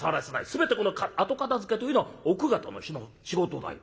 全てこの後片づけというのは奥方の仕事だよ。